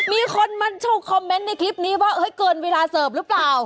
มีคนมาโชว์คอมเมนต์ในคลิปนี้ว่าเกินเวลาเสิร์ฟหรือเปล่า